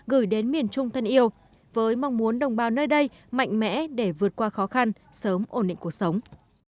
gửi đến miền trung thân yêu với mong muốn đồng bào nơi đây mạnh mẽ để vượt qua khó khăn sớm ổn định cuộc sống